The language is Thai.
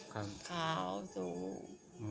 ขาวสูง